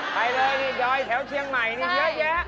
ไปเลยนี่ดอยแถวเชียงใหม่นี่เยอะแยะ